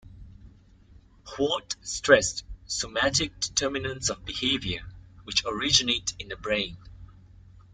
Huarte stressed "somatic determinants of behavior" which originate in the brain.